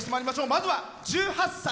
まずは１８歳。